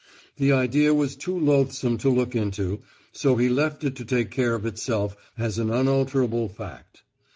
The idea was too loathsome to look into, so he left it to take care of itself as an unalterable fact.